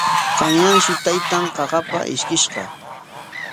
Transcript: Qanyanshi taytan qaqapa ishkishqa.